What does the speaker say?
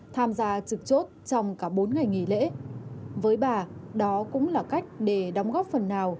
tham gia trực chốt trong cả bốn ngày nghỉ lễ với bà đó cũng là cách để đóng góp phần nào